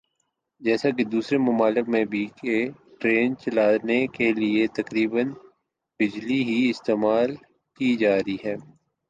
جیسا کہ دوسرے ممالک میں بھی ہے کہ ٹرین چلانے کیلئے تقریبا بجلی ہی استعمال کی جارہی ھے